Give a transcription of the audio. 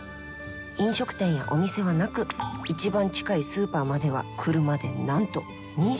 飲食店やお店はなく一番近いスーパーまでは車でなんと２５分！